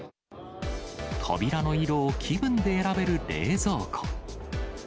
扉の色を気分で選べる冷蔵庫。